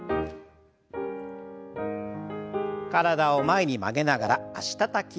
体を前に曲げながら脚たたき。